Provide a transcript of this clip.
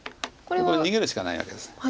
これ逃げるしかないわけです。